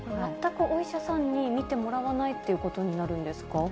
全くお医者さんに診てもらわないということになるんですか。